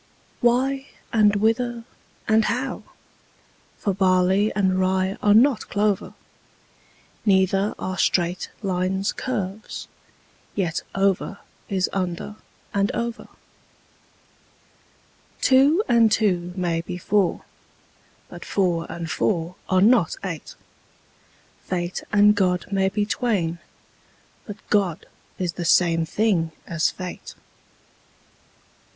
Why, and whither, and how? for barley and rye are not clover: Neither are straight lines curves: yet over is under and over. Two and two may be four: but four and four are not eight: Fate and God may be twain: but God is the same thing as fate.